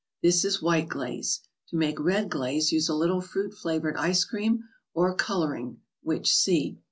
This is White Glaze. To make Red Glaze use a little fruit flavored ice cream or " Coloring," which see.